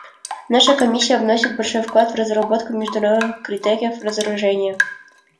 Наша Комиссия вносит большой вклад в разработку международных критериев разоружения.